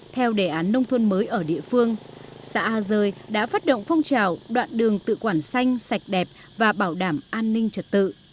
theo đề án nông thôn mới ở địa phương xã a rơi đã phát động phong trào đoạn đường tự quản xanh sạch đẹp và bảo đảm an ninh trật tự